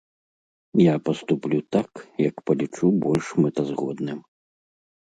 Я паступлю так, як палічу больш мэтазгодным.